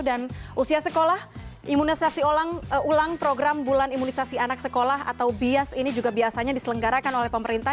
usia sekolah imunisasi ulang program bulan imunisasi anak sekolah atau bias ini juga biasanya diselenggarakan oleh pemerintah